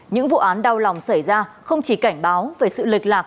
những vụ án đau lòng xảy ra không chỉ cảnh báo về sự lệch lạc